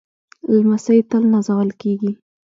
لمسی تل نازول کېږي.